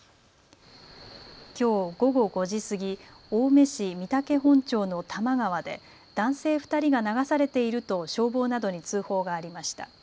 きょう午後５時過ぎ、青梅市御岳本町の多摩川で男性２人が流されていると消防などに通報がありました。